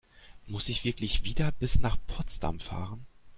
Muss ich wirklich wieder bis nach Potsdam fahren?